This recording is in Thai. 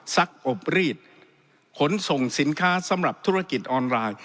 อบรีดขนส่งสินค้าสำหรับธุรกิจออนไลน์